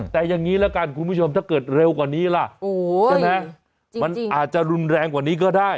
แต่อย่างนี้ละกันคุณผู้ชมถ้าเกิดเร็วกว่านี้ล่ะใช่ไหมมันอาจจะรุนแรงกว่านี้ก็ได้